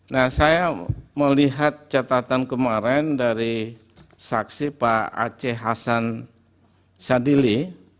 nah saya melihat catatan kemarin dari saksi pak aceh hasan sadili